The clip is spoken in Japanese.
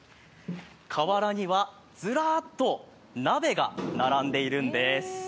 河原にはずらっと鍋が並んでいるんです。